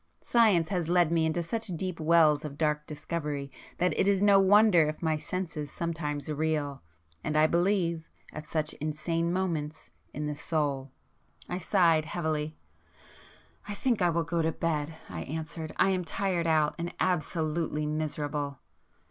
Science has led me into such deep wells of dark discovery, that it is no wonder if my senses sometimes reel,—and I believe—at such insane moments—in the Soul!" I sighed heavily. "I think I will go to bed," I answered. "I am tired out,—and absolutely miserable!"